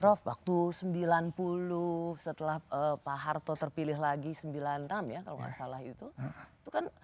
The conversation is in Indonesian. prof waktu sembilan puluh setelah pak harto terpilih lagi sembilan puluh enam ya kalau nggak salah itu itu kan